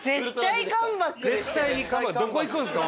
どこ行くんですか？